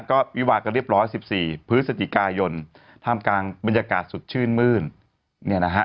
ก็วิวากันเรียบร้อยสิบสี่พฤศจิกายนท่ามกลางบรรยากาศสดชื่นมื้นเนี่ยนะฮะ